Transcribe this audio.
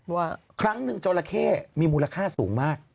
ว่าครั้งหนึ่งจราเข้มีมูลค่าสูงมาก